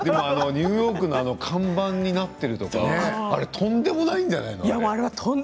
ニューヨークの看板になってるのはとんでもないんじゃない？